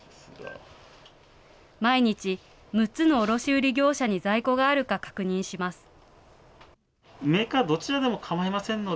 毎日、６つの卸売り業者に在庫があるか確認します。